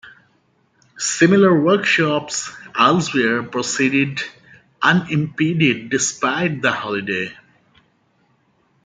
Similar workshops elsewhere proceeded unimpeded despite the holiday.